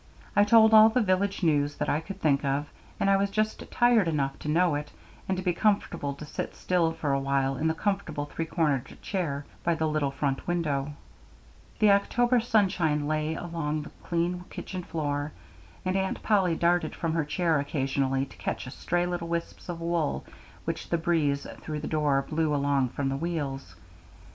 I told all the village news that I could think of, and I was just tired enough to know it, and to be contented to sit still for a while in the comfortable three cornered chair by the little front window. The October sunshine lay along the clean kitchen floor, and Aunt Polly darted from her chair occasionally to catch stray little wisps of wool which the breeze through the door blew along from the wheels.